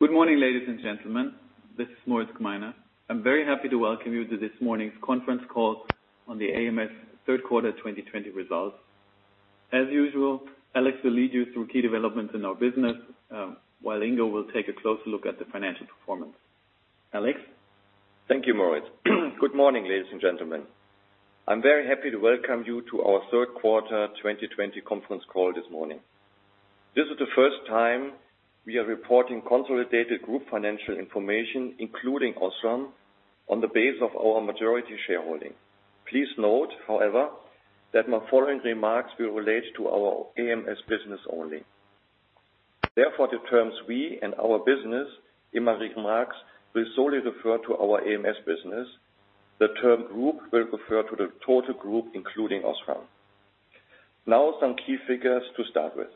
Good morning, ladies and gentlemen. This is Moritz Gmeiner. I am very happy to welcome you to this morning's conference call on the ams third quarter 2020 results. As usual, Alex will lead you through key developments in our business, while Ingo will take a closer look at the financial performance. Alex? Thank you, Moritz. Good morning, ladies and gentlemen. I am very happy to welcome you to our third quarter 2020 conference call this morning. This is the first time we are reporting consolidated group financial information, including OSRAM, on the base of our majority shareholding. Please note, however, that my following remarks will relate to our ams business only. Therefore, the terms we and our business in my remarks will solely refer to our ams business. The term group will refer to the total group, including Osram. Now some key figures to start with.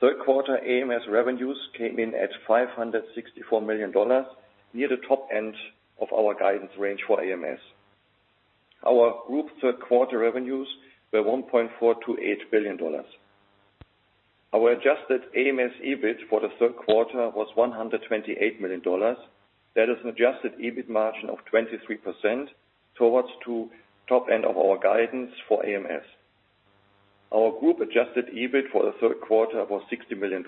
Third quarter ams revenues came in at $564 million, near the top end of our guidance range for ams. Our group third quarter revenues were $1.428 billion. Our adjusted ams EBIT for the third quarter was $128 million. That is an adjusted EBIT margin of 23% towards the top end of our guidance for ams. Our group-adjusted EBIT for the third quarter was $60 million.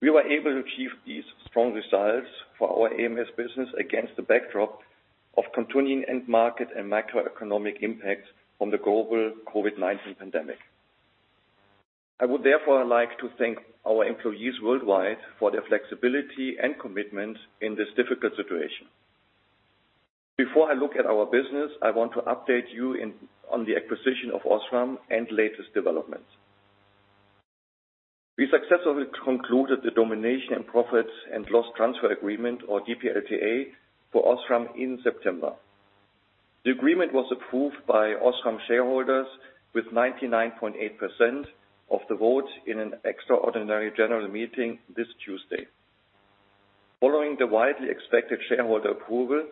We were able to achieve these strong results for our AMS business against the backdrop of continuing end market and macroeconomic impact from the global COVID-19 pandemic. I would therefore like to thank our employees worldwide for their flexibility and commitment in this difficult situation. Before I look at our business, I want to update you on the acquisition of Osram and latest developments. We successfully concluded the Domination and Profit and Loss Transfer Agreement or DPLTA for Osram in September. The agreement was approved by Osram shareholders with 99.8% of the vote in an extraordinary general meeting this Tuesday. Following the widely expected shareholder approval,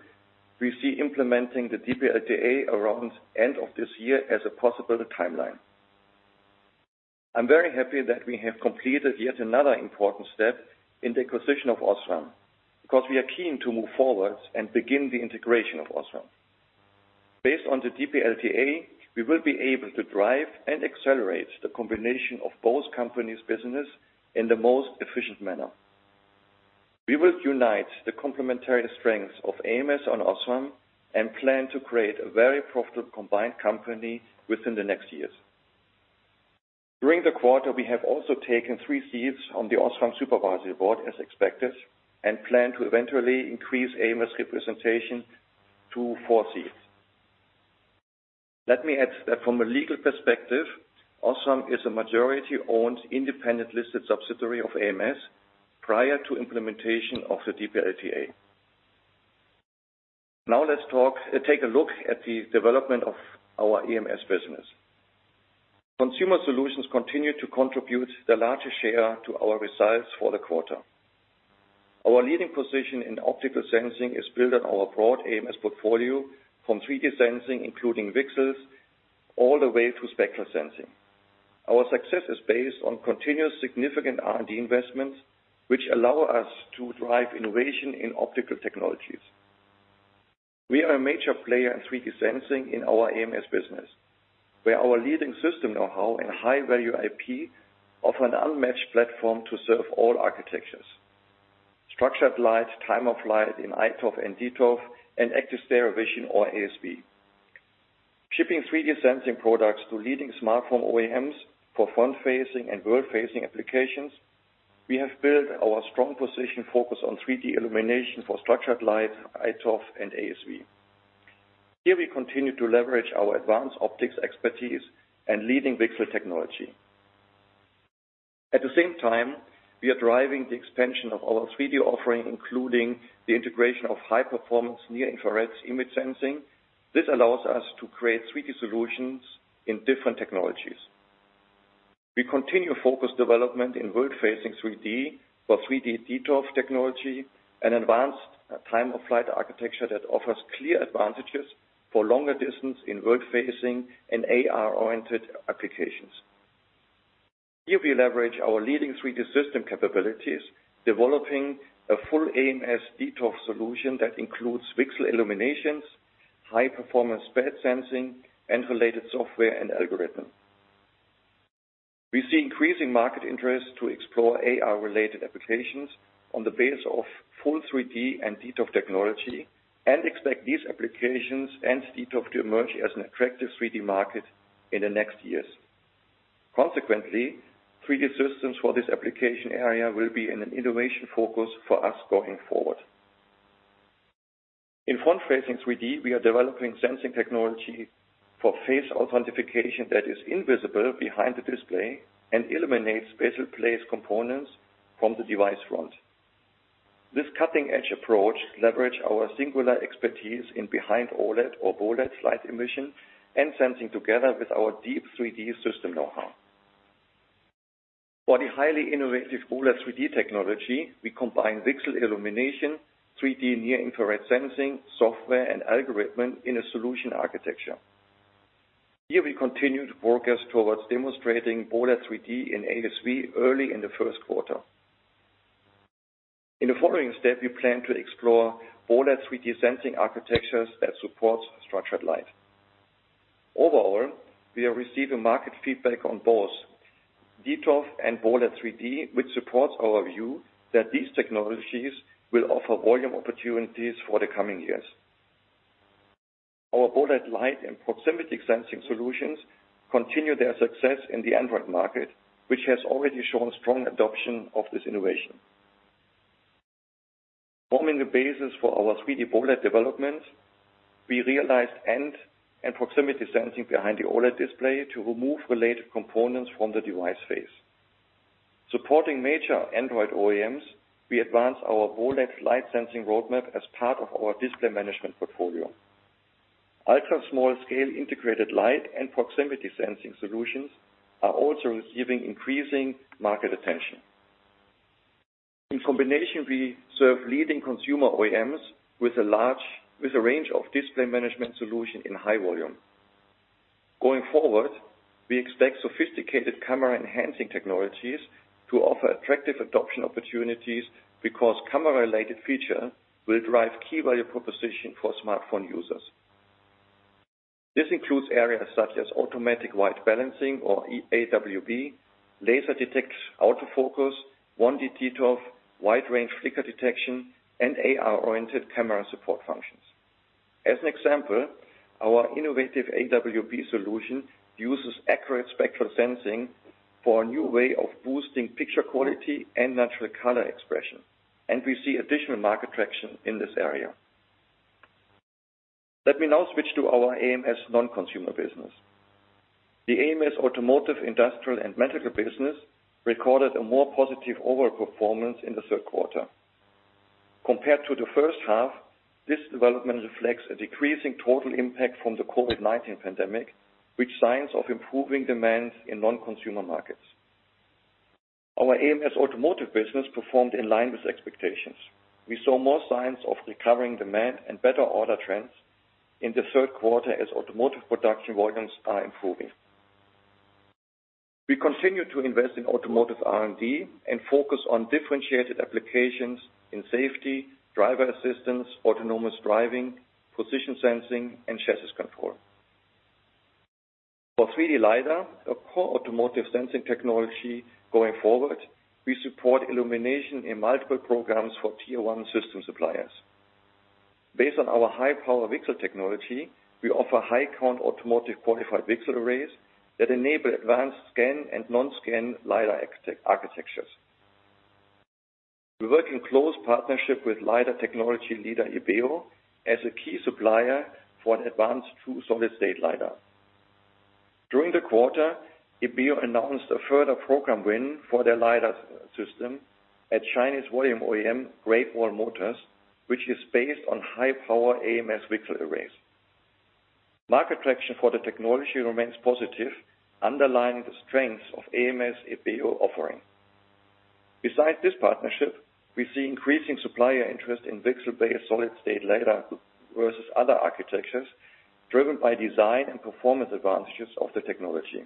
we see implementing the DPLTA around end of this year as a possible timeline. I'm very happy that we have completed yet another important step in the acquisition of Osram because we are keen to move forward and begin the integration of Osram. Based on the DPLTA, we will be able to drive and accelerate the combination of both companies' business in the most efficient manner. We will unite the complementary strengths of ams and Osram and plan to create a very profitable combined company within the next years. During the quarter, we have also taken three seats on the Osram Supervisory Board as expected and plan to eventually increase ams representation to four seats. Let me add that from a legal perspective, Osram is a majority-owned, independent listed subsidiary of ams prior to implementation of the DPLTA. Let's take a look at the development of our ams business. Consumer solutions continue to contribute the largest share to our results for the quarter. Our leading position in optical sensing is built on our broad ams portfolio from 3D sensing, including VCSELs, all the way to spectral sensing. Our success is based on continuous significant R&D investments, which allow us to drive innovation in optical technologies. We are a major player in 3D sensing in our ams business, where our leading system know-how and high-value IP offer an unmatched platform to serve all architectures. Structured light, time-of-flight in iToF and dToF, active stereo vision or ASV. Shipping 3D sensing products to leading smartphone OEMs for front-facing and world-facing applications, we have built our strong position focused on 3D illumination for structured light, iToF, and ASV. Here we continue to leverage our advanced optics expertise and leading VCSEL technology. At the same time, we are driving the expansion of our 3D offering, including the integration of high-performance near-infrared image sensing. This allows us to create 3D solutions in different technologies. We continue to focus development in world-facing 3D for 3D dToF technology and advanced time-of-flight architecture that offers clear advantages for longer distance in world-facing and AR-oriented applications. Here we leverage our leading 3D system capabilities, developing a full ams dToF solution that includes VCSEL illuminations, high-performance SPAD sensing, and related software and algorithm. We see increasing market interest to explore AR-related applications on the base of full 3D and dToF technology and expect these applications and dToF to emerge as an attractive 3D market in the next years. Consequently, 3D systems for this application area will be in an innovation focus for us going forward. In front-facing 3D, we are developing sensing technology for face authentication that is invisible behind the display and eliminates bezel-based components from the device front. This cutting-edge approach leverages our singular expertise in behind OLED or BoLED light emission and sensing together with our deep 3D system know-how. For the highly innovative OLED 3D technology, we combine VCSEL illumination, 3D near-infrared sensing, software, and algorithm in a solution architecture. Here we continue to progress towards demonstrating OLED 3D in ASV early in the first quarter. In the following step, we plan to explore OLED 3D sensing architectures that support structured light. Overall, we are receiving market feedback on both dToF and OLED 3D, which supports our view that these technologies will offer volume opportunities for the coming years. Our OLED light and proximity sensing solutions continue their success in the Android market, which has already shown strong adoption of this innovation. Forming the basis for our 3D OLED development, we realized ambient and proximity sensing behind the OLED display to remove related components from the device face. Supporting major Android OEMs, we advance our OLED light sensing roadmap as part of our display management portfolio. Ultra-small scale integrated light and proximity sensing solutions are also receiving increasing market attention. In combination, we serve leading consumer OEMs with a range of display management solution in high volume. Going forward, we expect sophisticated camera-enhancing technologies to offer attractive adoption opportunities because camera-related feature will drive key value proposition for smartphone users. This includes areas such as automatic white balancing or AWB, laser detect autofocus, 1D dToF, wide range flicker detection, and AR-oriented camera support functions. As an example, our innovative AWB solution uses accurate spectral sensing for a new way of boosting picture quality and natural color expression, and we see additional market traction in this area. Let me now switch to our ams non-consumer business. The ams automotive, industrial, and medical business recorded a more positive overall performance in the third quarter. Compared to the first half, this development reflects a decreasing total impact from the COVID-19 pandemic, with signs of improving demand in non-consumer markets. Our ams automotive business performed in line with expectations. We saw more signs of recovering demand and better order trends in the third quarter as automotive production volumes are improving. We continue to invest in automotive R&D and focus on differentiated applications in safety, driver assistance, autonomous driving, position sensing, and chassis control. For 3D LiDAR, a core automotive sensing technology going forward, we support illumination in multiple programs for Tier 1 system suppliers. Based on our high-power VCSEL technology, we offer high count automotive qualified VCSEL arrays that enable advanced scan and non-scan LiDAR architectures. We work in close partnership with LiDAR technology leader, Ibeo, as a key supplier for an advanced true solid-state LiDAR. During the quarter, Ibeo announced a further program win for their LiDAR system at Chinese volume OEM, Great Wall Motors, which is based on high-power ams VCSEL arrays. Market traction for the technology remains positive, underlining the strengths of ams' Ibeo offering. Besides this partnership, we see increasing supplier interest in VCSEL-based solid-state LiDAR versus other architectures driven by design and performance advantages of the technology.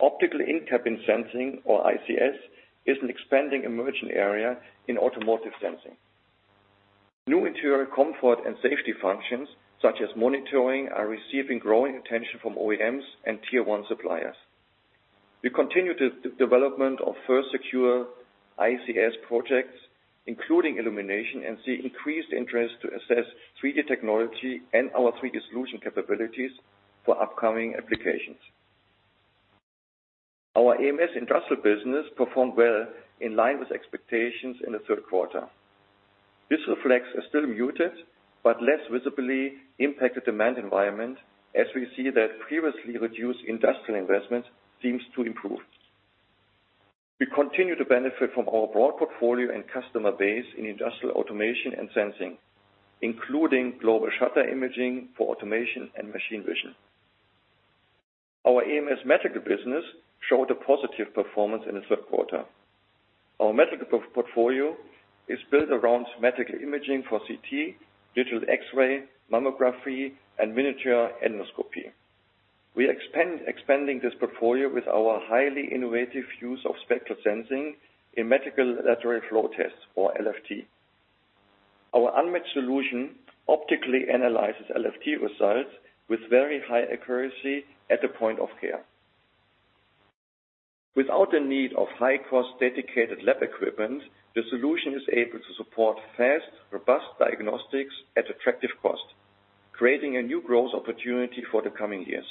Optical in-cabin sensing, or ICS, is an expanding emerging area in automotive sensing. New interior comfort and safety functions, such as monitoring, are receiving growing attention from OEMs and Tier 1 suppliers. We continue the development of first secure ICS projects, including illumination, and see increased interest to assess 3D technology and our 3D solution capabilities for upcoming applications. Our ams industrial business performed well in line with expectations in the third quarter. This reflects a still muted but less visibly impacted demand environment as we see that previously reduced industrial investment seems to improve. We continue to benefit from our broad portfolio and customer base in industrial automation and sensing, including global shutter imaging for automation and machine vision. Our ams medical business showed a positive performance in the third quarter. Our medical portfolio is built around medical imaging for CT, digital X-ray, mammography, and miniature endoscopy. We are expanding this portfolio with our highly innovative use of spectral sensing in medical lateral flow tests or LFT. Our unmet solution optically analyzes LFT results with very high accuracy at the point of care. Without the need of high-cost dedicated lab equipment, the solution is able to support fast, robust diagnostics at attractive cost, creating a new growth opportunity for the coming years.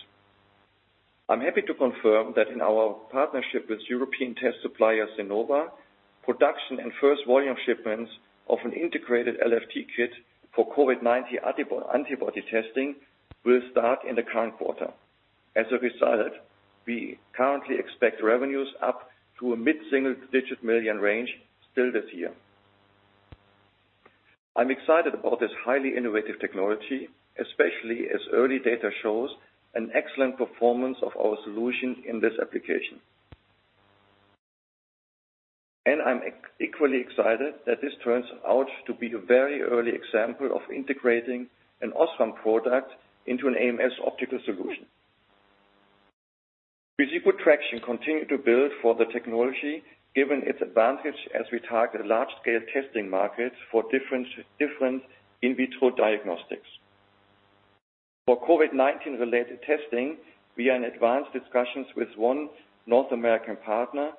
I'm happy to confirm that in our partnership with European test supplier, Senova, production and first volume shipments of an integrated LFT kit for COVID-19 antibody testing will start in the current quarter. As a result, we currently expect revenues up to a mid-single digit million range still this year. I'm excited about this highly innovative technology, especially as early data shows an excellent performance of our solution in this application. I'm equally excited that this turns out to be a very early example of integrating an Osram product into an ams optical solution. We see good traction continue to build for the technology, given its advantage as we target large-scale testing markets for different in vitro diagnostics. For COVID-19 related testing, we are in advanced discussions with one North American partner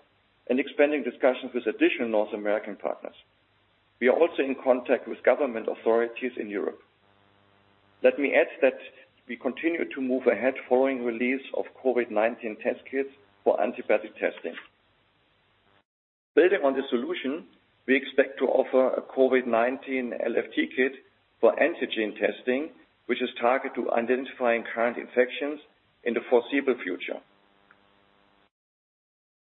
and expanding discussions with additional North American partners. We are also in contact with government authorities in Europe. Let me add that we continue to move ahead following release of COVID-19 test kits for antibody testing. Building on the solution, we expect to offer a COVID-19 LFT kit for antigen testing, which is targeted to identifying current infections in the foreseeable future.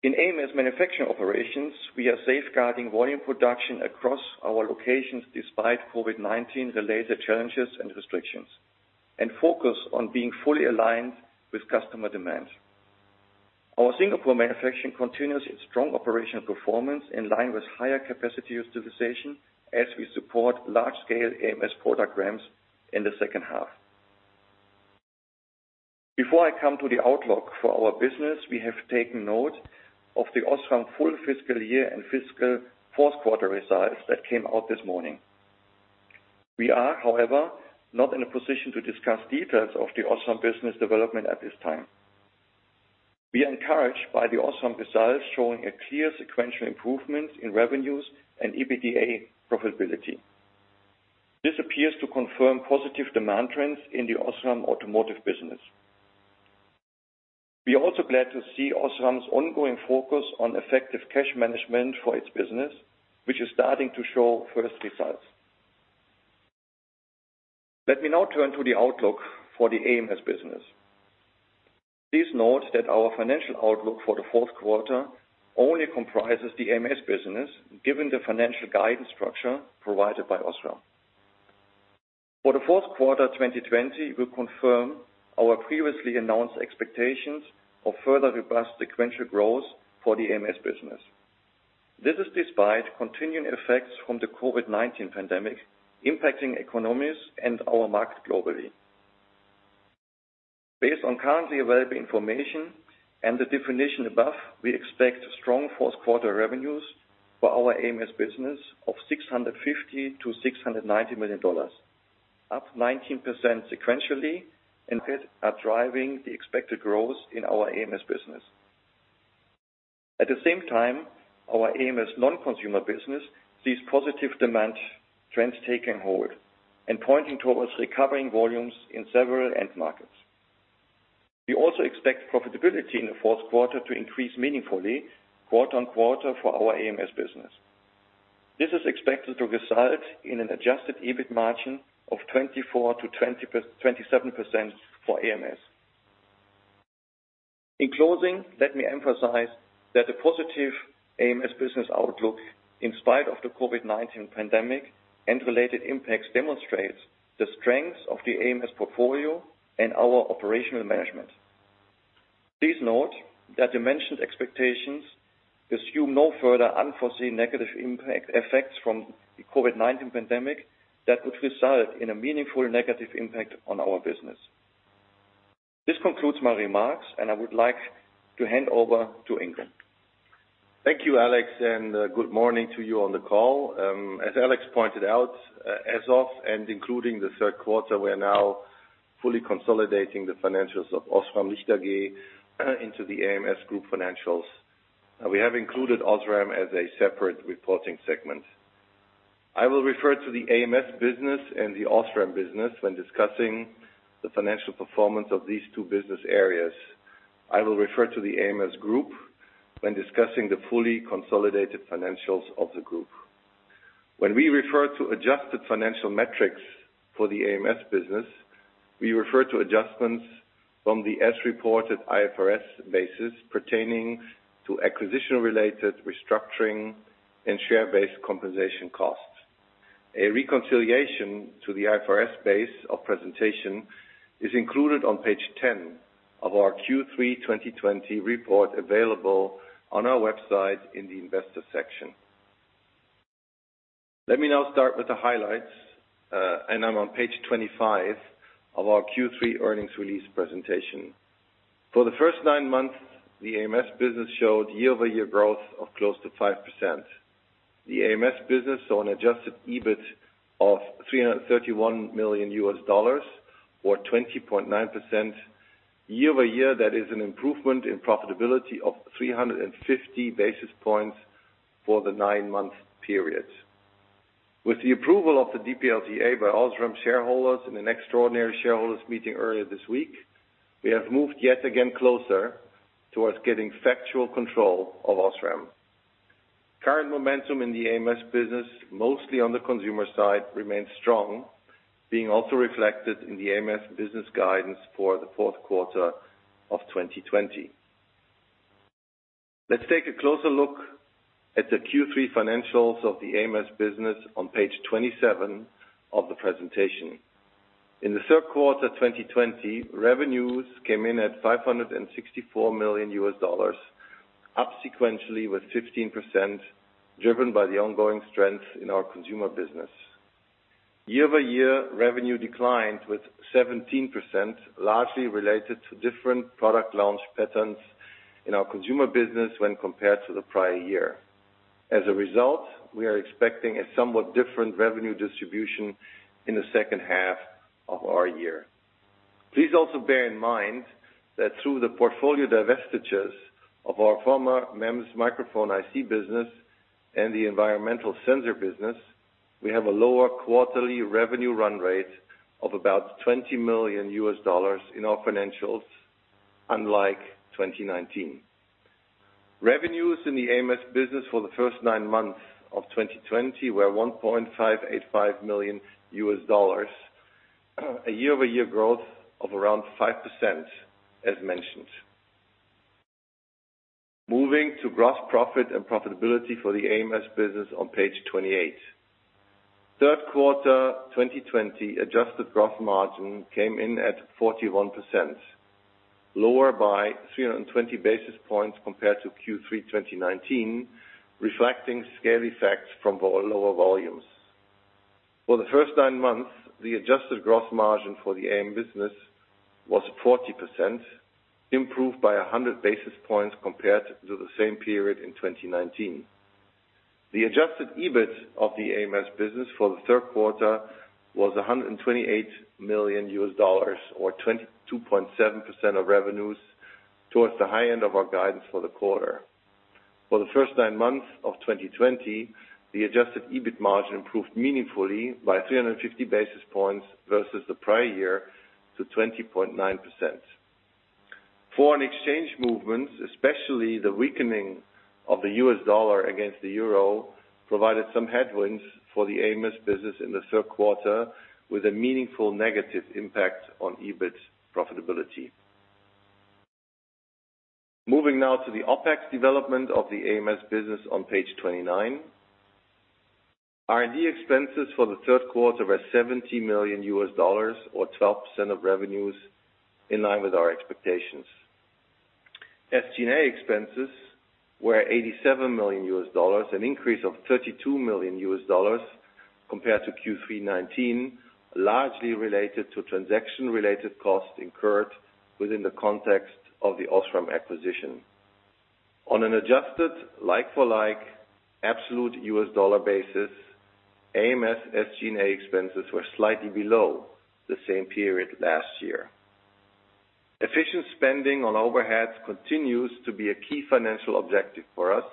In ams manufacturing operations, we are safeguarding volume production across our locations despite COVID-19 related challenges and restrictions, and focused on being fully aligned with customer demand. Our Singapore manufacturing continues its strong operational performance in line with higher capacity utilization as we support large scale ams product ramps in the second half. Before I come to the outlook for our business, we have taken note of the Osram full fiscal year and fiscal fourth quarter results that came out this morning. We are, however, not in a position to discuss details of the Osram business development at this time. We are encouraged by the Osram results showing a clear sequential improvement in revenues and EBITDA profitability. This appears to confirm positive demand trends in the Osram automotive business. We are also glad to see Osram's ongoing focus on effective cash management for its business, which is starting to show first results. Let me now turn to the outlook for the ams business. Please note that our financial outlook for the fourth quarter only comprises the ams business, given the financial guidance structure provided by Osram. For the fourth quarter 2020, we confirm our previously announced expectations of further robust sequential growth for the ams business. This is despite continuing effects from the COVID-19 pandemic impacting economies and our market globally. Based on currently available information and the definition above, we expect strong fourth quarter revenues for our ams business of $650-690 million, up 19% sequentially and are driving the expected growth in our ams business. At the same time, our ams non-consumer business sees positive demand trends taking hold and pointing towards recovering volumes in several end markets. We also expect profitability in the fourth quarter to increase meaningfully quarter-on-quarter for our ams business. This is expected to result in an adjusted EBIT margin of 24%-27% for ams. In closing, let me emphasize that the positive ams business outlook, in spite of the COVID-19 pandemic and related impacts, demonstrates the strengths of the ams portfolio and our operational management. Please note that the mentioned expectations assume no further unforeseen negative effects from the COVID-19 pandemic that could result in a meaningful negative impact on our business. This concludes my remarks, and I would like to hand over to Ingo. Thank you, Alex. Good morning to you on the call. As Alex pointed out, as of and including the third quarter, we're now fully consolidating the financials of OSRAM Licht AG into the ams Group financials. We have included Osram as a separate reporting segment. I will refer to the ams business and the Osram business when discussing the financial performance of these two business areas. I will refer to the ams Group when discussing the fully consolidated financials of the group. When we refer to adjusted financial metrics for the ams business, we refer to adjustments from the as reported IFRS basis pertaining to acquisition-related restructuring and share-based compensation costs. A reconciliation to the IFRS base of presentation is included on page 10 of our Q3 2020 report, available on our website in the investor section. Let me now start with the highlights. I'm on page 25 of our Q3 earnings release presentation. For the first nine months, the ams business showed year-over-year growth of close to 5%. The ams business saw an adjusted EBIT of $331 million, or 20.9% year-over-year. That is an improvement in profitability of 350 basis points for the nine-month period. With the approval of the DPLTA by Osram shareholders in an extraordinary shareholders meeting earlier this week, we have moved yet again closer towards getting factual control of Osram. Current momentum in the ams business, mostly on the consumer side, remains strong, being also reflected in the ams business guidance for the fourth quarter of 2020. Let's take a closer look at the Q3 financials of the ams business on page 27 of the presentation. In the third quarter 2020, revenues came in at $564 million, up sequentially with 15%, driven by the ongoing strength in our consumer business. Year-over-year, revenue declined with 17%, largely related to different product launch patterns in our consumer business when compared to the prior year. As a result, we are expecting a somewhat different revenue distribution in the second half of our year. Please also bear in mind that through the portfolio divestitures of our former MEMS microphone IC business and the environmental sensor business, we have a lower quarterly revenue run rate of about $20 million in our financials, unlike 2019. Revenues in the ams business for the first nine months of 2020 were $1.585 billion, a year-over-year growth of around 5%, as mentioned. Moving to gross profit and profitability for the ams business on page 28. Third quarter 2020 adjusted gross margin came in at 41%, lower by 320 basis points compared to Q3 2019, reflecting scale effects from lower volumes. For the first nine months, the adjusted gross margin for the ams business was 40%, improved by 100 basis points compared to the same period in 2019. The adjusted EBIT of the ams business for the third quarter was $128 million, or 22.7% of revenues towards the high end of our guidance for the quarter. For the first nine months of 2020, the adjusted EBIT margin improved meaningfully by 350 basis points versus the prior year to 20.9%. Foreign exchange movements, especially the weakening of the US dollar against the euro, provided some headwinds for the ams business in the third quarter with a meaningful negative impact on EBIT profitability. Moving now to the OpEx development of the ams business on page 29. R&D expenses for the third quarter were $70 million, or 12% of revenues, in line with our expectations. SG&A expenses were $87 million, an increase of $32 million compared to Q3 2019, largely related to transaction-related costs incurred within the context of the Osram acquisition. On an adjusted like-for-like absolute U.S. dollar basis, ams SG&A expenses were slightly below the same period last year. Efficient spending on overheads continues to be a key financial objective for us,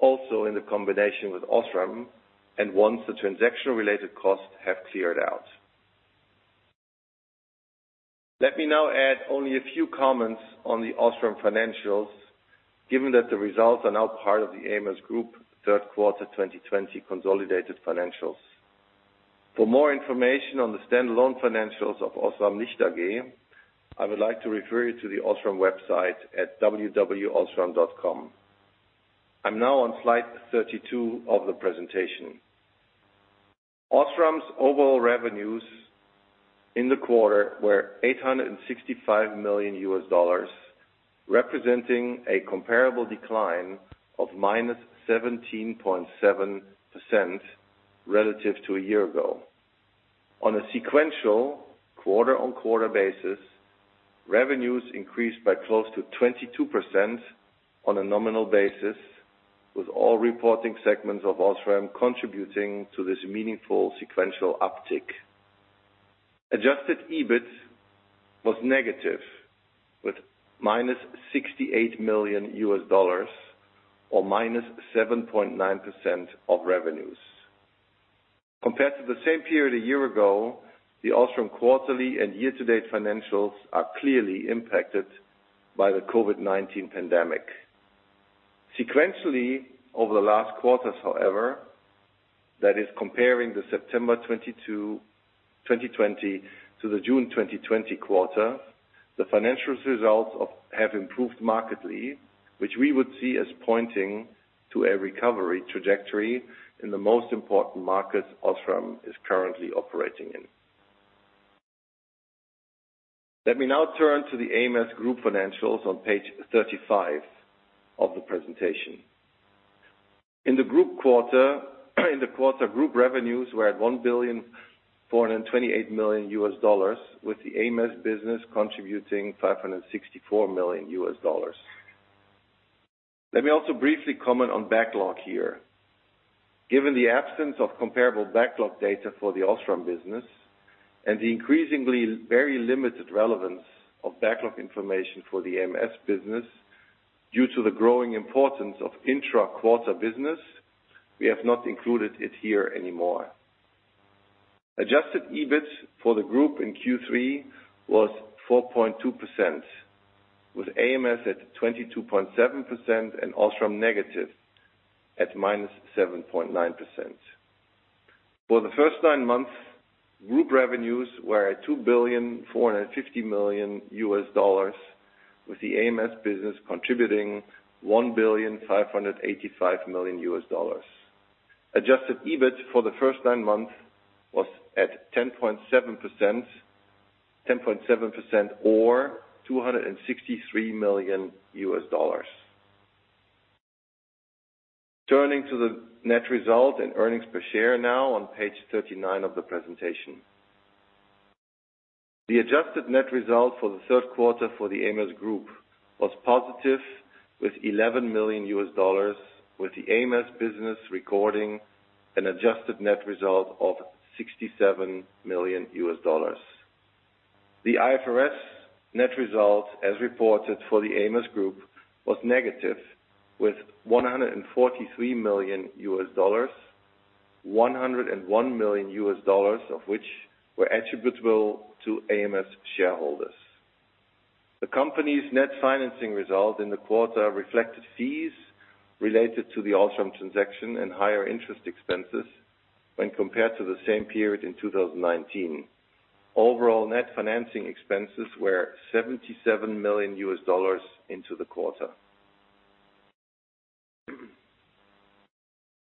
also in the combination with Osram and once the transaction-related costs have cleared out. Let me now add only a few comments on the Osram financials, given that the results are now part of the ams Group third quarter 2020 consolidated financials. For more information on the standalone financials of OSRAM Licht AG, I would like to refer you to the Osram website at www.osram.com. I'm now on slide 32 of the presentation. Osram's overall revenues in the quarter were $865 million, representing a comparable decline of -17.7% relative to a year ago. On a sequential quarter-on-quarter basis, revenues increased by close to 22% on a nominal basis, with all reporting segments of Osram contributing to this meaningful sequential uptick. Adjusted EBIT was negative with -$68 million or -7.9% of revenues. Compared to the same period a year ago, the Osram quarterly and year-to-date financials are clearly impacted by the COVID-19 pandemic. Sequentially over the last quarters, however, that is comparing the September 2020 to the June 2020 quarter, the financials results have improved markedly, which we would see as pointing to a recovery trajectory in the most important markets Osram is currently operating in. Let me now turn to the ams Group financials on page 35 of the presentation. In the quarter group revenues were at $1.428 billion with the ams business contributing $564 million. Let me also briefly comment on backlog here. Given the absence of comparable backlog data for the Osram business and the increasingly very limited relevance of backlog information for the ams business due to the growing importance of intra-quarter business, we have not included it here anymore. Adjusted EBIT for the group in Q3 was 4.2%, with ams at 22.7% and Osram negative at -7.9%. For the first nine months, group revenues were at $2.450 billion with the ams business contributing $1.585 billion. Adjusted EBIT for the first nine months was at 10.7% or $263 million. Turning to the net result and earnings per share now on page 39 of the presentation. The adjusted net result for the third quarter for the ams group was positive with $11 million, with the ams business recording an adjusted net result of $67 million. The IFRS net result as reported for the ams group was negative with $143 million, $101 million of which were attributable to ams shareholders. The company's net financing result in the quarter reflected fees related to the Osram transaction and higher interest expenses when compared to the same period in 2019. Overall net financing expenses were $77 million into the quarter.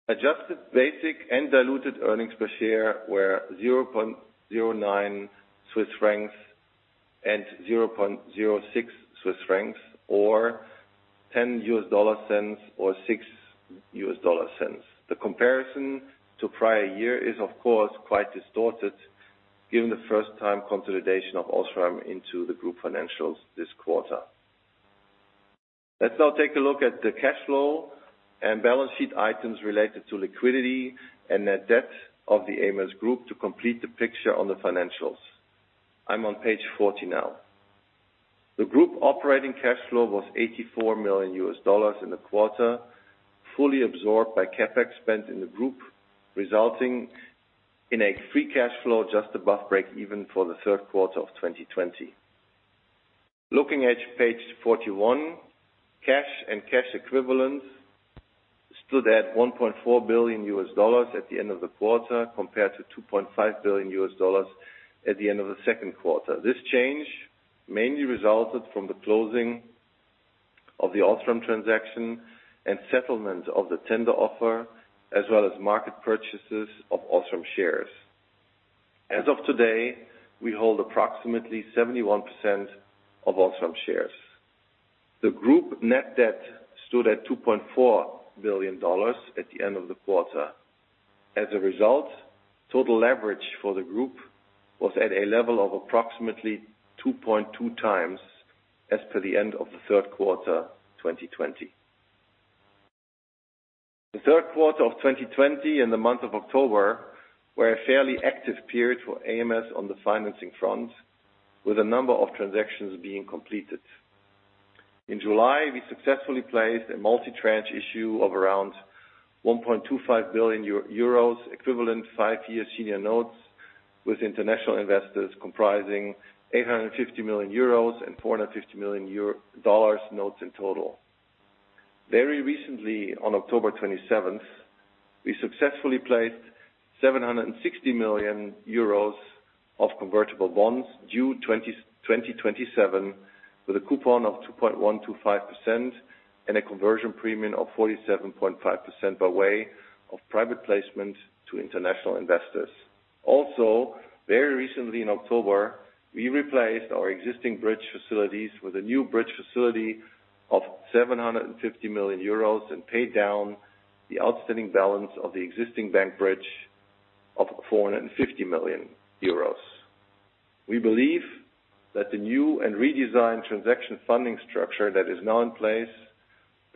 Adjusted basic and diluted earnings per share were 0.09 Swiss francs and 0.06 Swiss francs, or $0.10 or $0.06. The comparison to prior year is, of course, quite distorted given the first-time consolidation of Osram into the group financials this quarter. Let's now take a look at the cash flow and balance sheet items related to liquidity and net debt of the ams group to complete the picture on the financials. I'm on page 40 now. The group operating cash flow was $84 million in the quarter, fully absorbed by CapEx spend in the group, resulting in a free cash flow just above break even for the third quarter of 2020. Looking at page 41, cash and cash equivalents stood at $1.4 billion at the end of the quarter, compared to $2.5 billion at the end of the second quarter. This change mainly resulted from the closing of the Osram transaction and settlement of the tender offer, as well as market purchases of Osram shares. As of today, we hold approximately 71% of Osram shares. The group net debt stood at $2.4 billion at the end of the quarter. As a result, total leverage for the group was at a level of approximately 2.2x as per the end of the third quarter 2020. The third quarter of 2020 and the month of October were a fairly active period for ams on the financing front, with a number of transactions being completed. In July, we successfully placed a multi-tranche issue of around 1.25 billion euros equivalent five-year senior notes with international investors comprising 850 million euros and $450 million notes in total. Very recently, on October 27th, we successfully placed 760 million euros of convertible bonds due 2027, with a coupon of 2.125% and a conversion premium of 47.5% by way of private placement to international investors. Also, very recently in October, we replaced our existing bridge facilities with a new bridge facility of 750 million euros and paid down the outstanding balance of the existing bank bridge of 450 million euros. We believe that the new and redesigned transaction funding structure that is now in place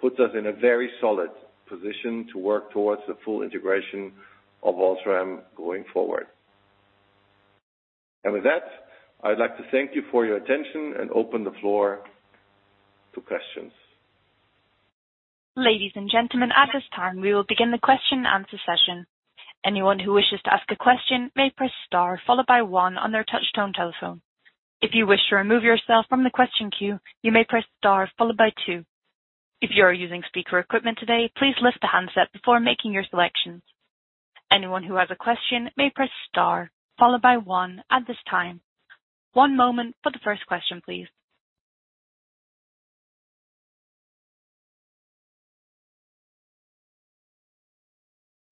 puts us in a very solid position to work towards the full integration of Osram going forward. With that, I'd like to thank you for your attention and open the floor to questions. Ladies and gentlemen, at this time we will begin the question-and-answer session. Anyone who wishes to ask a question may press star followed by one on their touchtone telephone. If you wish to remove yourself from the queue you may press star followed by two. If you are using speaker equipment today, please lift the handset before making your selections. Anyone who has a question may press star followed by one at this time. One moment for the first question please.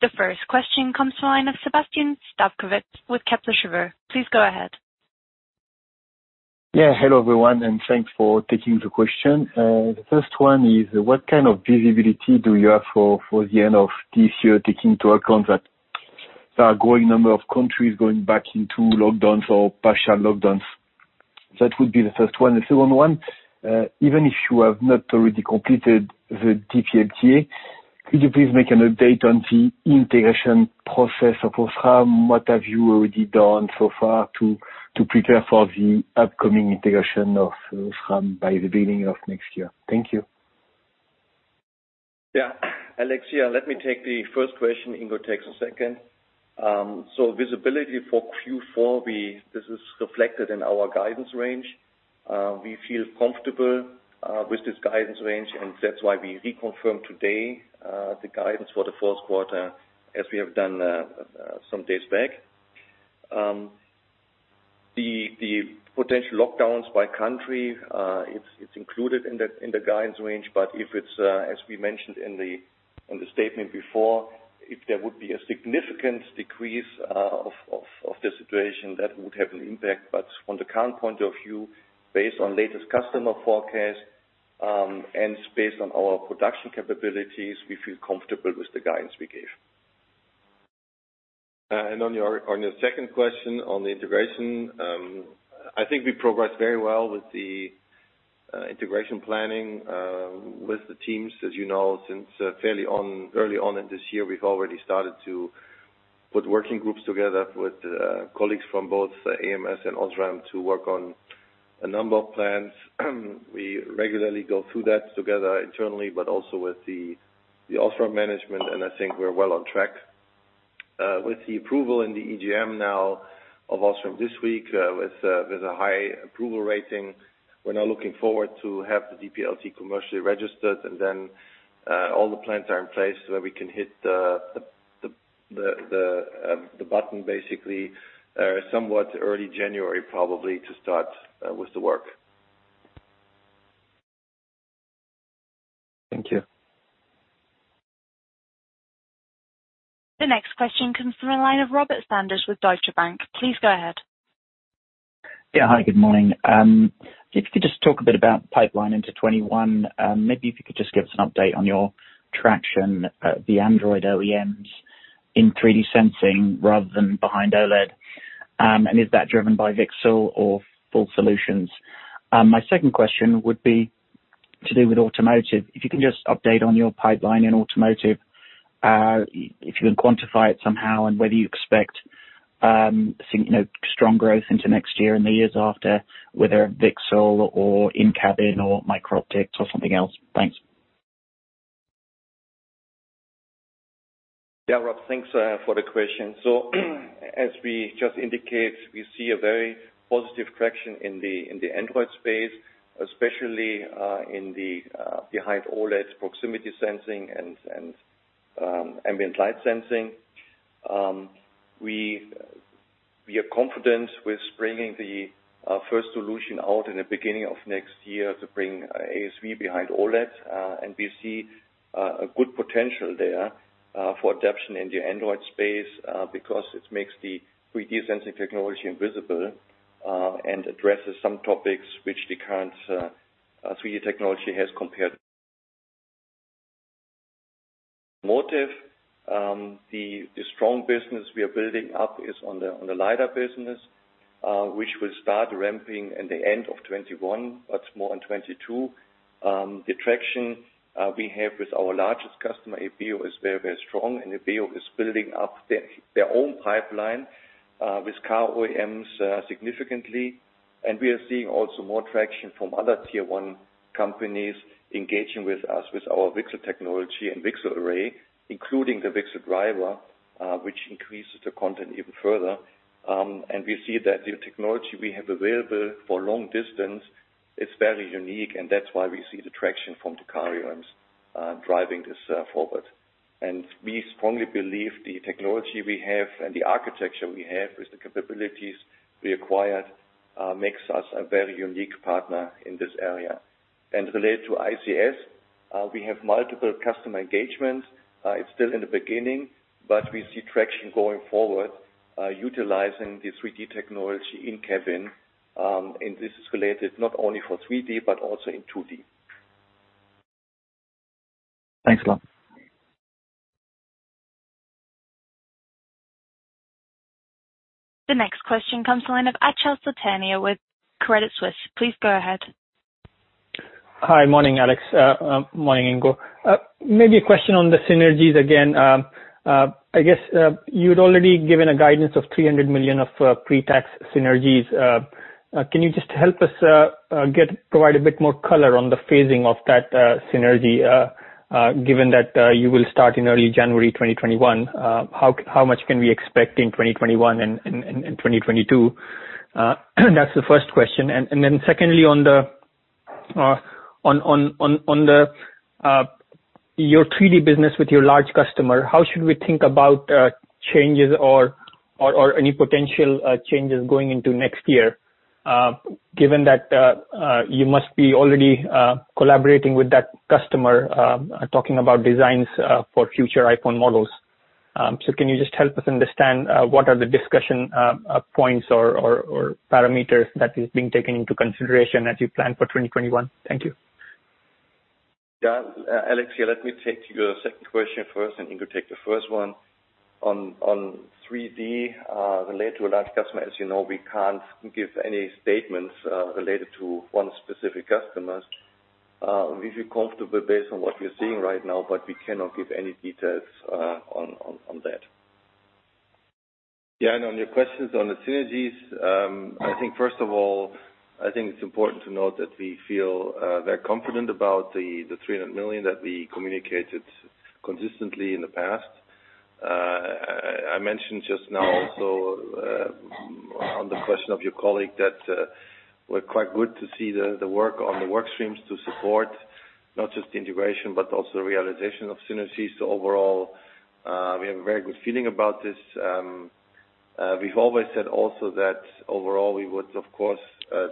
The first question comes to the line of Sébastien Sztabowicz with Kepler Cheuvreux. Please go ahead. Yeah. Hello, everyone, and thanks for taking the question. The first one is, what kind of visibility do you have for the end of this year, taking into account that there are a growing number of countries going back into lockdowns or partial lockdowns? That would be the first one. The second one, even if you have not already completed the DPLTA, could you please make an update on the integration process of Osram? What have you already done so far to prepare for the upcoming integration of Osram by the beginning of next year? Thank you. Yeah. Alex here. Let me take the first question. Ingo takes the second. Visibility for Q4, this is reflected in our guidance range. We feel comfortable with this guidance range, and that's why we reconfirm today, the guidance for the fourth quarter as we have done some days back. The potential lockdowns by country, it's included in the guidance range, but as we mentioned in the statement before, if there would be a significant decrease of the situation, that would have an impact. From the current point of view, based on latest customer forecast, and based on our production capabilities, we feel comfortable with the guidance we gave. On your second question on the integration, I think we progress very well with the integration planning with the teams. As you know, since fairly early on in this year, we've already started to put working groups together with colleagues from both ams and Osram to work on a number of plans. We regularly go through that together internally, but also with the Osram management, and I think we're well on track. With the approval in the EGM now of Osram this week, with a high approval rating, we're now looking forward to have the DPLTA commercially registered and then all the plans are in place where we can hit the button basically, somewhat early January probably to start with the work. Thank you. The next question comes from the line of Robert Sanders with Deutsche Bank. Please go ahead. Yeah. Hi, good morning. If you could just talk a bit about pipeline into 2021, maybe if you could just give us an update on your traction, the Android OEMs in 3D sensing rather than Behind OLED. Is that driven by VCSEL or full solutions? My second question would be to do with automotive. If you can just update on your pipeline in automotive, if you can quantify it somehow and whether you expect strong growth into next year and the years after, whether VCSEL or in-cabin or microoptics or something else. Thanks. Yeah, Rob. Thanks for the question. As we just indicate, we see a very positive traction in the Android space, especially in the Behind-OLED proximity sensing and ambient light sensing. We are confident with bringing the first solution out in the beginning of next year to bring ASV behind OLED, and we see a good potential there for adaption in the Android space because it makes the 3D sensing technology invisible, and addresses some topics which the current 3D technology has compared. Automotive, the strong business we are building up is on the LiDAR business, which will start ramping in the end of 2021, but more in 2022. The traction we have with our largest customer, Ibeo, is very strong, and Ibeo is building up their own pipeline with car OEMs significantly. We are seeing also more traction from other Tier 1 companies engaging with us with our VCSEL technology and VCSEL array, including the VCSEL driver, which increases the content even further. We see that the technology we have available for long distance is very unique, and that's why we see the traction from the car OEMs driving this forward. We strongly believe the technology we have and the architecture we have with the capabilities we acquired makes us a very unique partner in this area. Related to ICS, we have multiple customer engagements. It's still in the beginning, but we see traction going forward utilizing the 3D technology in-cabin, and this is related not only for 3D, but also in 2D. Thanks a lot. The next question comes the line of Achal Sultania with Credit Suisse. Please go ahead. Hi. Morning, Alex. Morning, Ingo. A question on the synergies again. I guess you'd already given a guidance of 300 million of pre-tax synergies. Can you just help us provide a bit more color on the phasing of that synergy, given that you will start in early January 2021? How much can we expect in 2021 and 2022? That's the first question. Secondly, on your 3D business with your large customer, how should we think about changes or any potential changes going into next year, given that you must be already collaborating with that customer, talking about designs for future iPhone models? Can you just help us understand what are the discussion points or parameters that is being taken into consideration as you plan for 2021? Thank you. Yeah. Alex, let me take your second question first and Ingo take the first one. On 3D, related to a large customer, as you know, we can't give any statements related to one specific customers. We feel comfortable based on what we're seeing right now, but we cannot give any details on that. Yeah, on your questions on the synergies, I think first of all, I think it's important to note that we feel very confident about the 300 million that we communicated consistently in the past. I mentioned just now also on the question of your colleague that we're quite good to see the work on the work streams to support Not just the integration, but also realization of synergies. Overall, we have a very good feeling about this. We've always said also that overall we would, of course,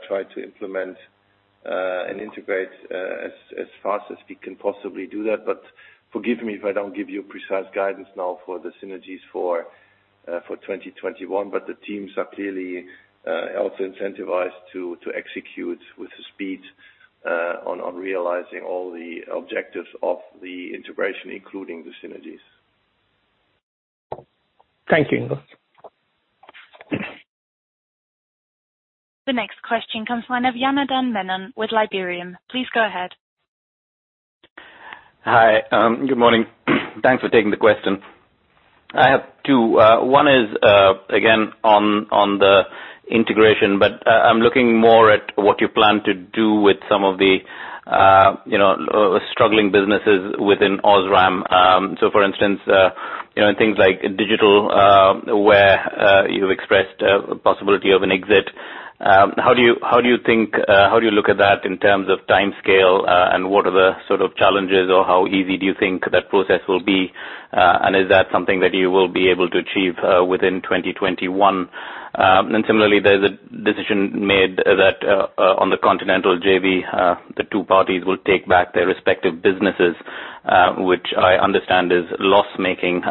try to implement and integrate as fast as we can possibly do that. Forgive me if I don't give you precise guidance now for the synergies for 2021. The teams are clearly also incentivized to execute with speed on realizing all the objectives of the integration, including the synergies. Thank you, Ingo. The next question comes from line of Janardan Menon with Liberum. Please go ahead. Hi. Good morning. Thanks for taking the question. I have two. One is again on the integration, I'm looking more at what you plan to do with some of the struggling businesses within Osram. For instance things like Digital Imaging, where you expressed possibility of an exit. How do you look at that in terms of timescale? What are the sort of challenges or how easy do you think that process will be? Is that something that you will be able to achieve within 2021? Similarly, there's a decision made that on the Continental JV the two parties will take back their respective businesses which I understand is loss-making.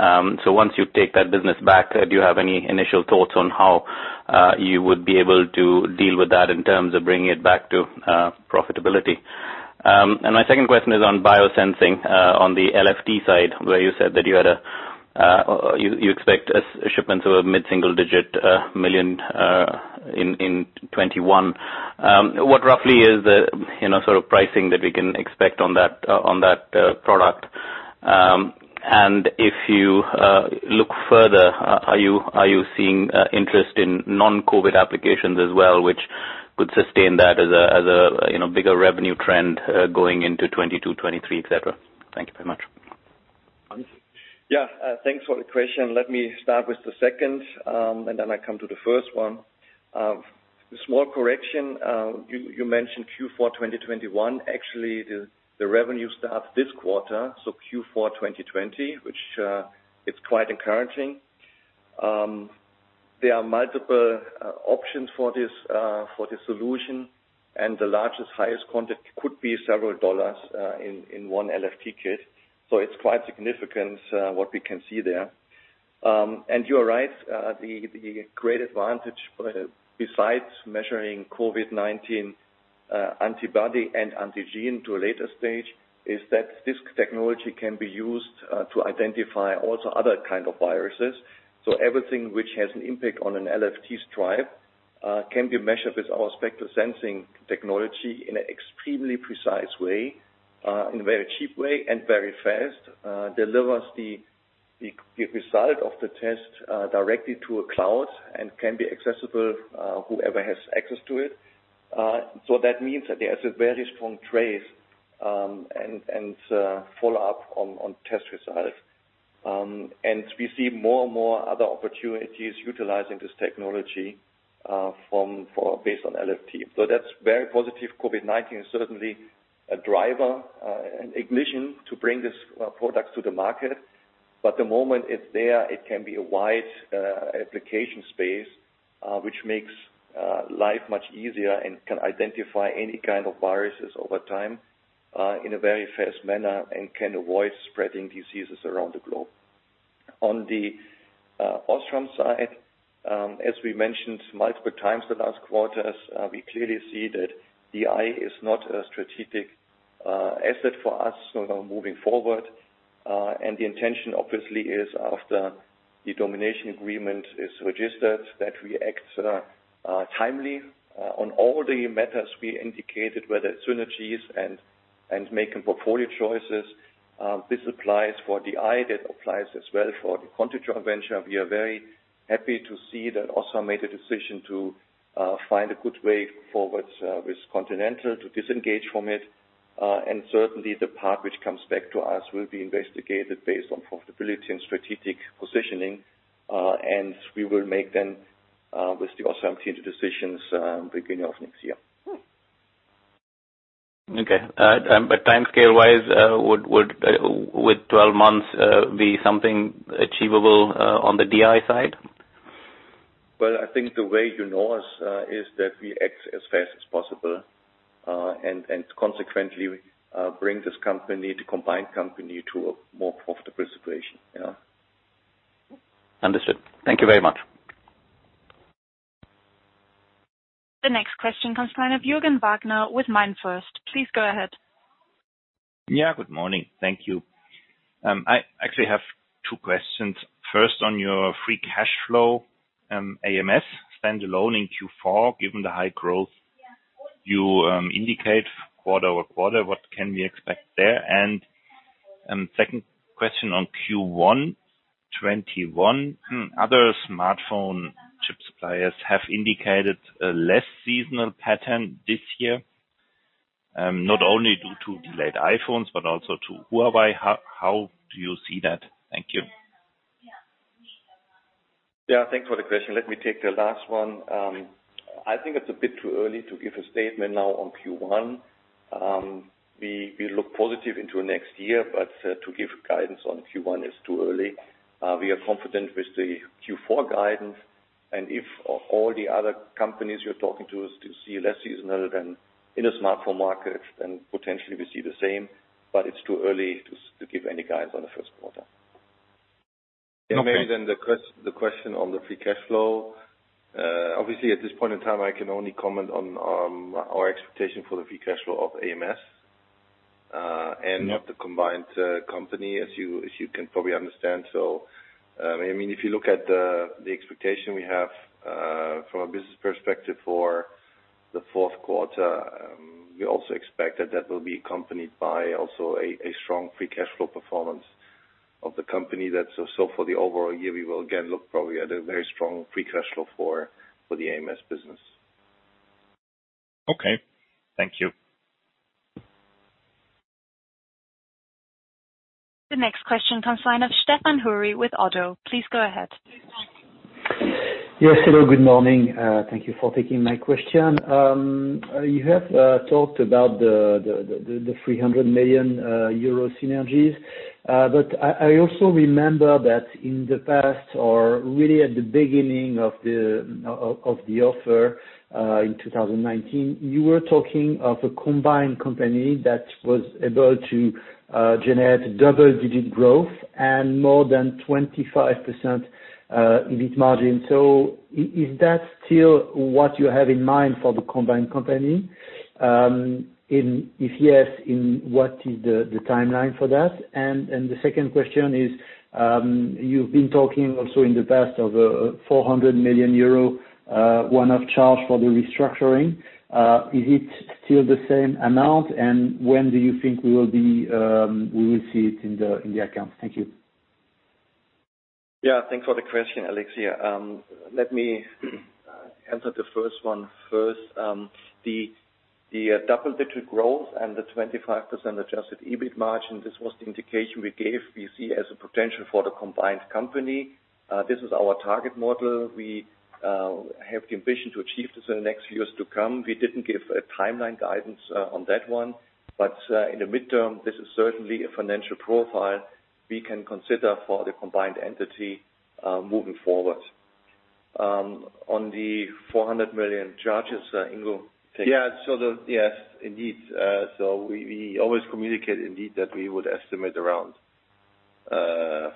Once you take that business back, do you have any initial thoughts on how you would be able to deal with that in terms of bringing it back to profitability? My second question is on biosensing, on the LFT side, where you said that you expect a shipment of a mid-single digit million EUR in 2021. What roughly is the sort of pricing that we can expect on that product? If you look further, are you seeing interest in non-COVID applications as well, which could sustain that as a bigger revenue trend going into 2022, 2023, et cetera? Thank you very much. Yeah. Thanks for the question. Let me start with the second, then I come to the first one. A small correction, you mentioned Q4 2021. Actually, the revenue starts this quarter, Q4 2020, which it's quite encouraging. There are multiple options for this solution. The largest, highest quantity could be several EUR in one LFT kit. It's quite significant what we can see there. You are right, the great advantage besides measuring COVID-19 antibody and antigen to a later stage is that this technology can be used to identify also other kind of viruses. Everything which has an impact on an LFT strip can be measured with our spectral sensing technology in an extremely precise way, in a very cheap way, and very fast. It delivers the result of the test directly to a cloud and can be accessible whoever has access to it. That means that there's a very strong trace and follow-up on test results. We see more and more other opportunities utilizing this technology based on LFT. That's very positive. COVID-19 is certainly a driver, an ignition to bring this product to the market. The moment it's there, it can be a wide application space, which makes life much easier and can identify any kind of viruses over time in a very fast manner and can avoid spreading diseases around the globe. On the Osram side, as we mentioned multiple times the last quarters, we clearly see that DI is not a strategic asset for us moving forward. The intention obviously is after the domination agreement is registered, that we act timely on all the matters we indicated, whether it's synergies and making portfolio choices. This applies for DI, that applies as well for the Continental venture. We are very happy to see that Osram made a decision to find a good way forward with Continental to disengage from it. Certainly the part which comes back to us will be investigated based on profitability and strategic positioning. We will make then with the Osram team the decisions beginning of next year. Okay. Timescale-wise, would 12 months be something achievable on the DI side? Well, I think the way you know us is that we act as fast as possible. Consequently bring this company to combined company to a more profitable situation. Understood. Thank you very much. The next question comes from line of Jürgen Wagner with MainFirst. Please go ahead. Yeah, good morning. Thank you. I actually have two questions. First, on your free cash flow, ams stand-alone in Q4, given the high growth you indicate quarter-over-quarter, what can we expect there? Second question on Q1 2021. Other smartphone chip suppliers have indicated a less seasonal pattern this year. Not only due to delayed iPhones, but also to Huawei. How do you see that? Thank you. Yeah, thanks for the question. Let me take the last one. I think it's a bit too early to give a statement now on Q1. We look positive into next year. To give guidance on Q1 is too early. We are confident with the Q4 guidance. If all the other companies you're talking to still see less seasonal than in a smartphone market, potentially we see the same. It's too early to give any guidance on the first quarter. Okay. Maybe then the question on the free cash flow. Obviously, at this point in time, I can only comment on our expectation for the free cash flow of ams and not the combined company, as you can probably understand. If you look at the expectation we have from a business perspective for the fourth quarter, we also expect that that will be accompanied by also a strong free cash flow performance of the company. For the overall year, we will again look probably at a very strong free cash flow for the ams business. Okay. Thank you. The next question comes line of Stéphane Houri with Oddo. Please go ahead. Yes. Hello, good morning. Thank you for taking my question. You have talked about the 300 million euro synergies. I also remember that in the past or really at the beginning of the offer, in 2019, you were talking of a combined company that was able to generate double-digit growth and more than 25% EBIT margin. Is that still what you have in mind for the combined company? If yes, what is the timeline for that? The second question is, you've been talking also in the past of a 400 million euro one-off charge for the restructuring. Is it still the same amount? When do you think we will see it in the accounts? Thank you. Thanks for the question, Alex here. Let me answer the first one first. The double-digit growth and the 25% adjusted EBIT margin, this was the indication we gave we see as a potential for the combined company. This is our target model. We have the ambition to achieve this in the next years to come. We didn't give a timeline guidance on that one. In the midterm, this is certainly a financial profile we can consider for the combined entity, moving forward. On the 400 million charges, Ingo, take it. Indeed. We always communicate indeed that we would estimate around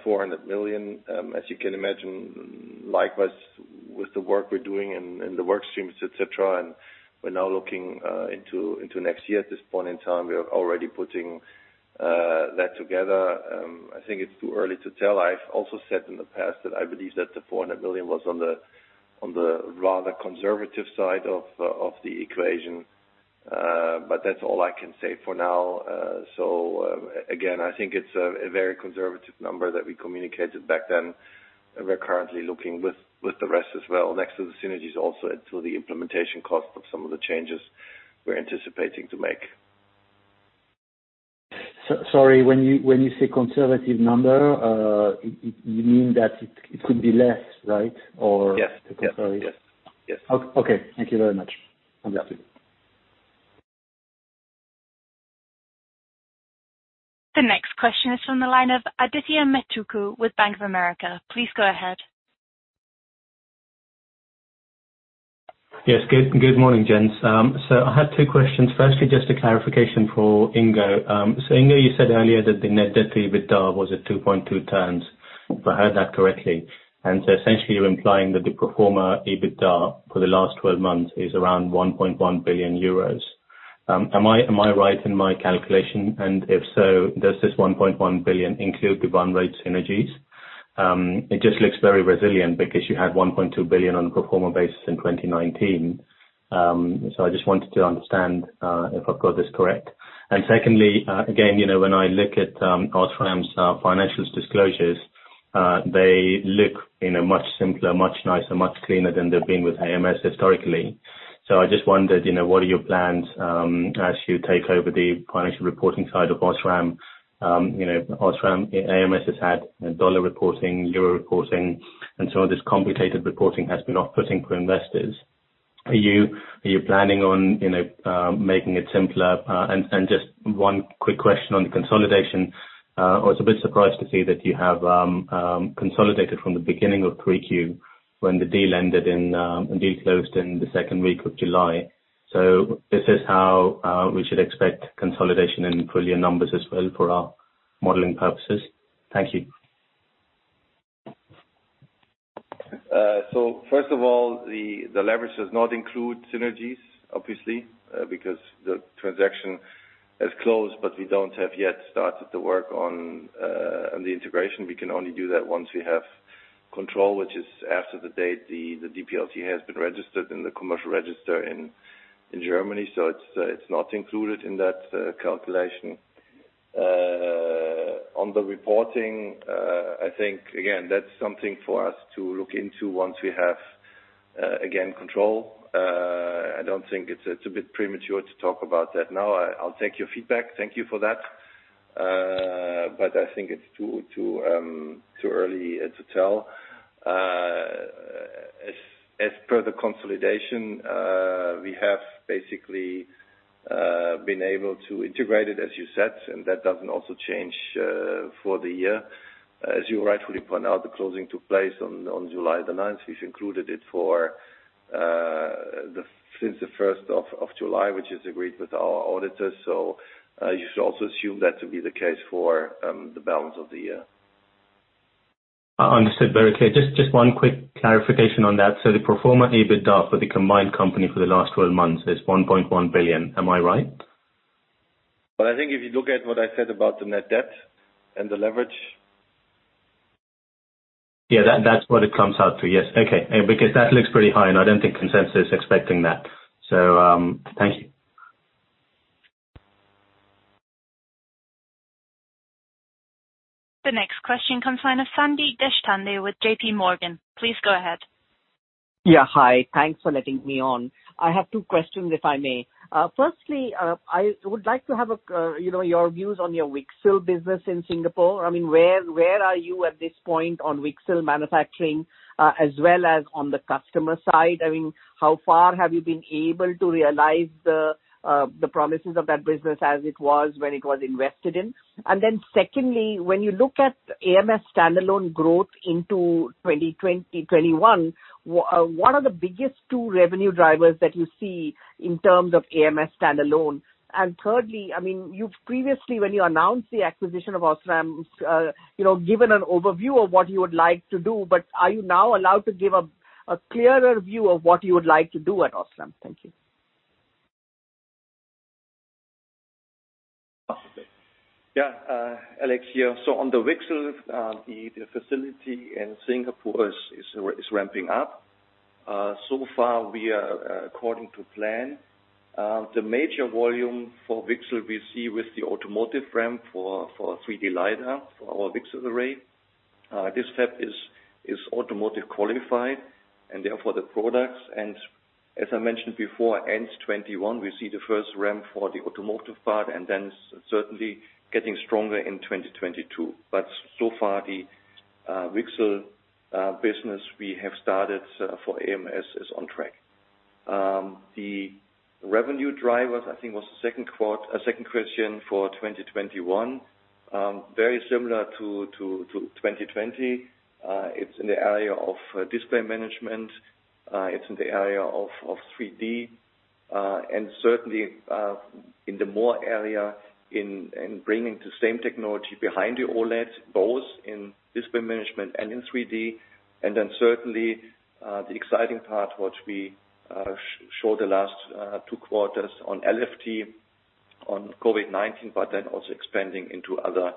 400 million. As you can imagine, likewise with the work we're doing and the work streams, et cetera, we're now looking into next year at this point in time. We are already putting that together. I think it's too early to tell. I've also said in the past that I believe that the 400 million was on the rather conservative side of the equation. That's all I can say for now. Again, I think it's a very conservative number that we communicated back then. We're currently looking with the rest as well. Next to the synergies, also into the implementation cost of some of the changes we're anticipating to make. Sorry. When you say conservative number, you mean that it could be less, right? The contrary? Yes. Okay. Thank you very much. Understood. The next question is from the line of Adithya Metuku with Bank of America. Please go ahead. Yes. Good morning, gents. I had two questions. Firstly, just a clarification for Ingo. Ingo, you said earlier that the net debt to EBITDA was at 2.2 times, if I heard that correctly. Essentially you're implying that the pro forma EBITDA for the last 12 months is around 1.1 billion euros. Am I right in my calculation? If so, does this 1.1 billion include the run-rate synergies? It just looks very resilient because you had 1.2 billion on a pro forma basis in 2019. I just wanted to understand, if I've got this correct. Secondly, again, when I look at Osram's financials disclosures, they look in a much simpler, much nicer, much cleaner than they've been with ams historically. I just wondered, what are your plans as you take over the financial reporting side of Osram? ams has had dollar reporting, euro reporting, and some of this complicated reporting has been off-putting for investors. Are you planning on making it simpler? Just one quick question on the consolidation. I was a bit surprised to see that you have consolidated from the beginning of 3Q when the deal ended and the deal closed in the second week of July. Is this how we should expect consolidation in full-year numbers as well for our modeling purposes? Thank you. First of all, the leverage does not include synergies, obviously, because the transaction has closed, but we don't have yet started the work on the integration. We can only do that once we have control, which is after the date the DPLTA has been registered in the commercial register in Germany. It's not included in that calculation. On the reporting, I think again, that's something for us to look into once we have Again, control. I don't think it's a bit premature to talk about that now. I'll take your feedback. Thank you for that. I think it's too early to tell. As per the consolidation, we have basically been able to integrate it, as you said, and that doesn't also change for the year. As you rightfully point out, the closing took place on July the 9th. We've included it since the 1st of July, which is agreed with our auditors. You should also assume that to be the case for the balance of the year. Understood very clear. Just one quick clarification on that. The pro forma EBITDA for the combined company for the last 12 months is 1.1 billion. Am I right? I think if you look at what I said about the net debt and the leverage. Yeah, that's what it comes out to. Yes. Okay. That looks pretty high, and I don't think consensus is expecting that. Thank you. The next question comes from the line of Sandeep Deshpande with JPMorgan. Please go ahead. Yeah. Hi. Thanks for letting me on. I have two questions, if I may. Firstly, I would like to have your views on your VCSEL business in Singapore. Where are you at this point on VCSEL manufacturing, as well as on the customer side? How far have you been able to realize the promises of that business as it was when it was invested in? Secondly, when you look at ams standalone growth into 2021, what are the biggest two revenue drivers that you see in terms of ams standalone? Thirdly, you've previously, when you announced the acquisition of Osram, given an overview of what you would like to do, are you now allowed to give a clearer view of what you would like to do at Osram? Thank you. Yeah. Alex here. On the VCSEL, the facility in Singapore is ramping up. So far, we are according to plan. The major volume for VCSEL we see with the automotive ramp for 3D LiDAR, for our VCSEL array. This fab is automotive qualified, and therefore the products, and as I mentioned before, ends 2021, we see the first ramp for the automotive part and then certainly getting stronger in 2022. So far, the VCSEL business we have started for ams is on track. The revenue drivers, I think, was the second question for 2021. Very similar to 2020. It's in the area of display management. It's in the area of 3D, and certainly, in the more area in bringing the same technology behind the OLED, both in display management and in 3D. Certainly, the exciting part, which we showed the last two quarters on LFT, on COVID-19, also expanding into other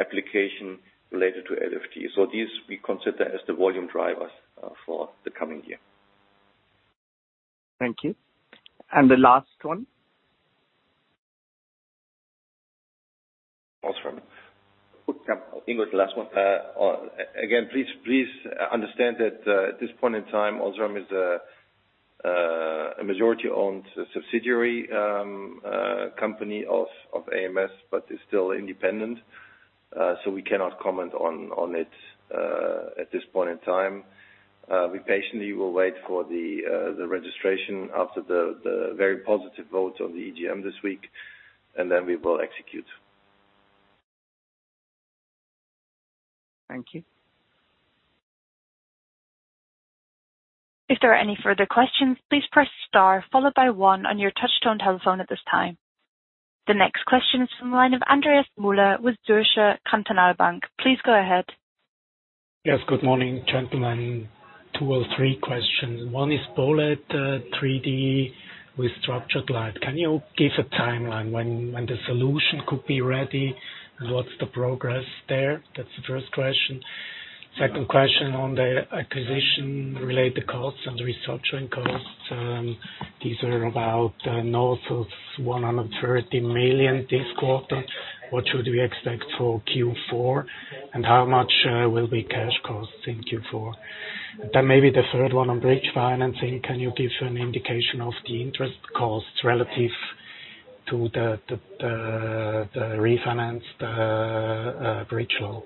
applications related to LFT. These we consider as the volume drivers for the coming year. Thank you. The last one? Osram. I think it was the last one. Again, please understand that at this point in time, Osram is a majority-owned subsidiary company of ams, but is still independent. We cannot comment on it at this point in time. We patiently will wait for the registration after the very positive vote on the EGM this week, then we will execute. Thank you. The next question is from the line of Andreas Müller with Zürcher Kantonalbank. Please go ahead. Yes. Good morning, gentlemen. Two or three questions. One is OLED 3D with structured light. Can you give a timeline when the solution could be ready? What's the progress there? That's the first question. Second question on the acquisition-related costs and restructuring costs. These are about north of 130 million this quarter. What should we expect for Q4? How much will be cash costs in Q4? Maybe the third one on bridge financing. Can you give an indication of the interest costs relative to the refinanced bridge loan?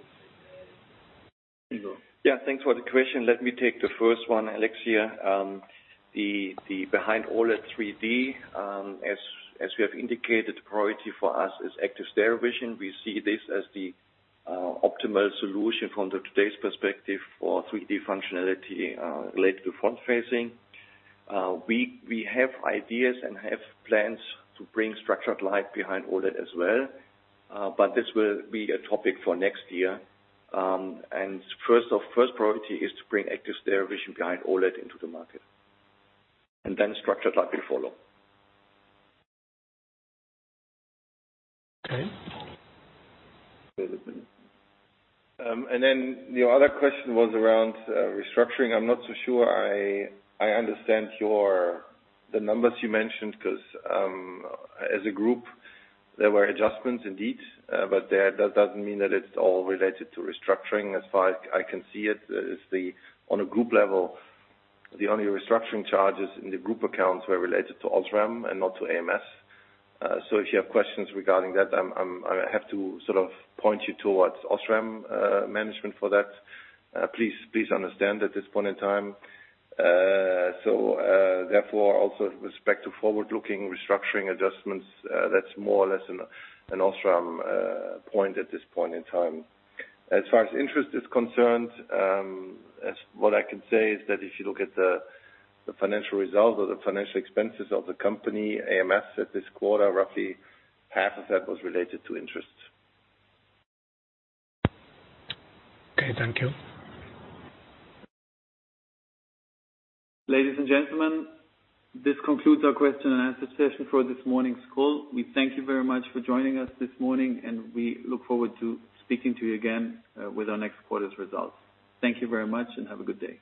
Yeah. Thanks for the question. Let me take the first one, Alex here. The Behind OLED 3D, as we have indicated, priority for us is active stereo vision. We see this as the optimal solution from today's perspective for 3D functionality related to front-facing. We have ideas and have plans to bring structured light Behind OLED as well. This will be a topic for next year. First priority is to bring active stereo vision Behind OLED into the market. Structured light will follow. Okay. The other question was around restructuring. I'm not so sure I understand the numbers you mentioned because, as a group, there were adjustments indeed. That doesn't mean that it's all related to restructuring. As far as I can see it, on a group level, the only restructuring charges in the group accounts were related to Osram and not to ams. If you have questions regarding that, I have to sort of point you towards Osram management for that. Please understand at this point in time. Therefore, also with respect to forward-looking restructuring adjustments, that's more or less an Osram point at this point in time. As far as interest is concerned, what I can say is that if you look at the financial results or the financial expenses of the company, ams, at this quarter, roughly half of that was related to interest. Okay. Thank you. Ladies and gentlemen, this concludes our question and answer session for this morning's call. We thank you very much for joining us this morning, and we look forward to speaking to you again with our next quarter's results. Thank you very much and have a good day.